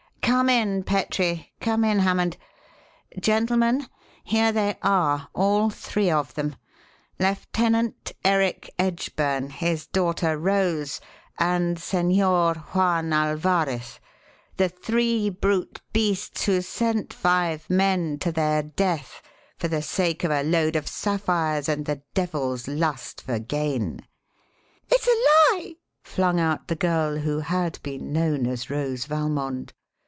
Come in, Petrie; come in, Hammond. Gentlemen, here they are, all three of them: Lieutenant Eric Edgburn, his daughter Rose, and Señor Juan Alvarez, the three brute beasts who sent five men to their death for the sake of a lode of sapphires and the devil's lust for gain!" "It's a lie!" flung out the girl who had been known as Rose Valmond.